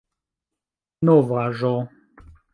novaĵo